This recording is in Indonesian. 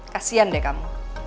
kasian deh kamu